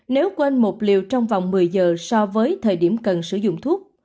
nếu quên một liều trong vòng một mươi giờ so với thời điểm cần sử dụng thuốc